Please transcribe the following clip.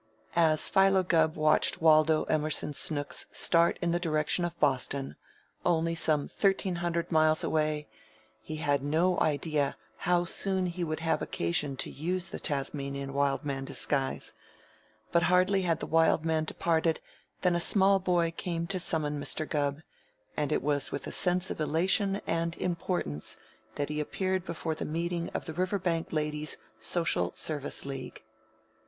As Philo Gubb watched Waldo Emerson Snooks start in the direction of Boston only some thirteen hundred miles away he had no idea how soon he would have occasion to use the Tasmanian Wild Man disguise, but hardly had the Wild Man departed than a small boy came to summon Mr. Gubb, and it was with a sense of elation and importance that he appeared before the meeting of the Riverbank Ladies' Social Service League.